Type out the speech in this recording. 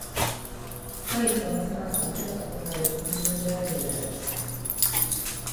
かえってますます明らかとなる矛盾であるのである。